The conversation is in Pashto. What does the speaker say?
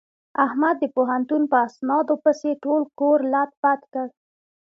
احمد د پوهنتون په اسنادونو پسې ټول کور لت پت کړ.